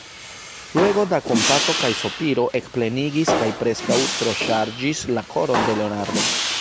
Fluego da kompato kaj sopiro ekplenigis kaj preskaŭ troŝarĝis la koron de Leonardo.